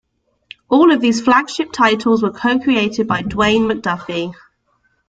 All of these flagship titles were co-created by Dwayne McDuffie.